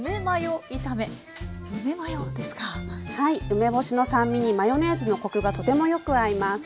梅干しの酸味にマヨネーズのコクがとてもよく合います。